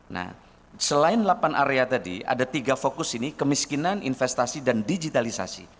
nah selain delapan area tadi ada tiga fokus ini kemiskinan investasi dan digitalisasi